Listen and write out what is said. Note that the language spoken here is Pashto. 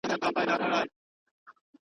o نوم ئې لوړ کور ئې ډنگر.